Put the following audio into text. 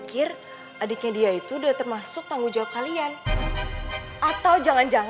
kayaknya gue tangan banget sih sama orang